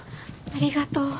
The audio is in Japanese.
ありがとう。